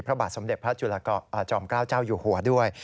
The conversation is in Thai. พระบาทสมเด็จพระจอมเกล้าเจ้าอยู่หัวด้วย